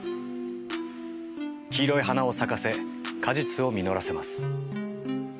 黄色い花を咲かせ果実を実らせます。